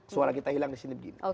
suara kita hilang di sini begini